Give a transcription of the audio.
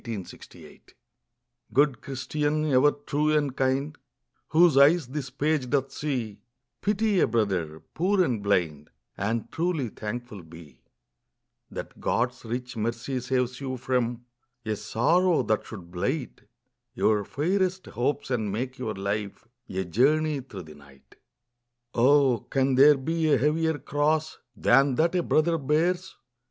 ••• Good Christian, ever true and kind, AVhoso eyes this page doth see, Pity a brother, poor and blind, And truly thankful be— That God's rieh mercy saves you from A sorrow that should blight Your fairest hopes and make your life A journey through the night. Oh, can there be a heavier cross Than that a brother bears?